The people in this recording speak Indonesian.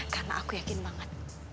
karena aku yakin banget